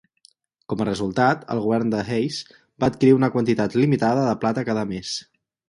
Com a resultat, el govern de Hayes va adquirir una quantitat limitada de plata cada mes.